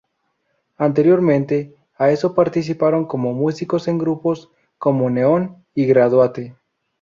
Anteriormente a eso participaron como músicos en grupos como Neon y Graduate.